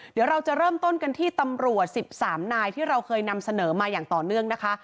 เดี๋ยวเราจะเริ่มต้นกันที่ตำรวจ๑๓นายที่เราเคยนำเสนอมาอย่างต่อเนื่องนะคะ